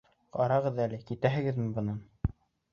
Ҡарағыҙ әле, китәһегеҙме бынан?